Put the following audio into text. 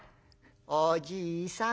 「おじいさん